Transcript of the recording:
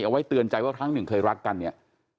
เอาไว้เตือนใจว่าครั้งหนึ่งเคยรักกันเนี่ย